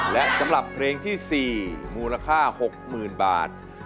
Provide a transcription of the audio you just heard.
และสำหรับเพลงที่๔มูลค่า๖๐๐๐บาท